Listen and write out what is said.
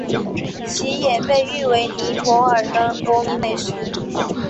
其也被誉为尼泊尔的国民美食。